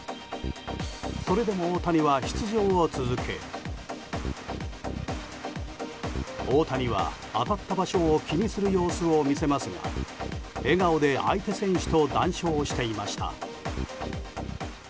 それでも大谷は出場を続け大谷は当たった場所を気にする様子を見せますが笑顔で相手選手と談笑していました。